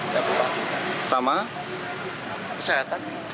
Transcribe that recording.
ke ruangan mana saja pak tadi